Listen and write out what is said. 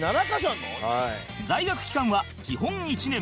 在学期間は基本１年